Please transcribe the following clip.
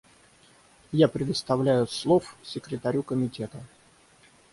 Я предоставляю слов Секретарю Комитета.